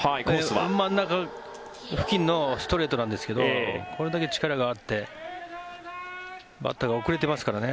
真ん中付近のストレートなんですけどこれだけ力があってバッターが遅れてますからね。